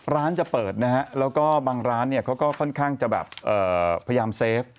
จะเปิดนะฮะแล้วก็บางร้านเนี่ยเขาก็ค่อนข้างจะแบบพยายามเซฟ